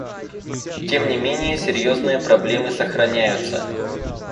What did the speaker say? Тем не менее серьезные проблемы сохраняются.